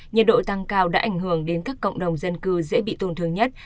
nhiệt độ tăng cao đã ảnh hưởng đến các cộng đồng dân cư dễ bị tổn thương nhất